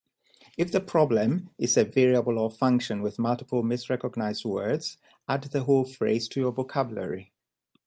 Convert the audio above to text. If the problem is a variable or function with multiple misrecognized words, add the whole phrase to your vocabulary.